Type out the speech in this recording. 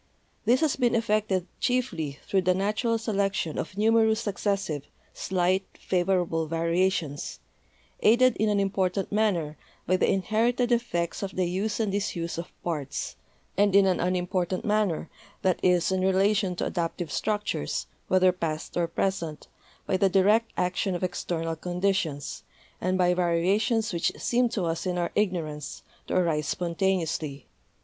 This has been effected chiefly through the natural selec tion of numerous successive, slight, favorable variations, aided in an important manner by the inherited effects of the use and disuse of parts, and in an unimportant manner, that is, in relation to adaptive structures, whether past or present, by the direct action of external conditions, and by variations which seem to us, in our ignorance, to 224 FACTORS OTHER THAN SELECTION 225 arise spontaneously.